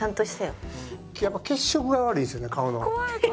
やっぱ血色が悪いですよね顔の。